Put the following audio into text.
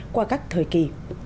qua các thời kỳ